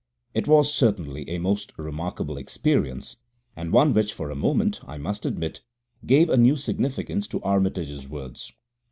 It was certainly a most remarkable experience, and one which for a moment, I must admit, gave a new significance to Armitage's words.